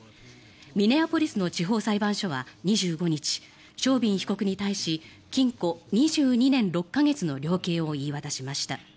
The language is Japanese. ミネアポリスの地方裁判所は２５日、ショービン被告に対し禁錮２２年６か月の量刑を言い渡しました。